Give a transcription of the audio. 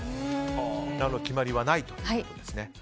決まりはないということですね。